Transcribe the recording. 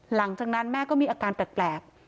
หลังจากนั้นแม่ก็มีอาการแปลก